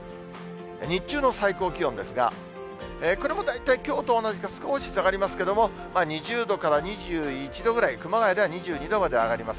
日中の最高気温ですが、これも大体、きょうと同じか少し下がりますけれども、２０度から２１度ぐらい、熊谷では２２度まで上がります。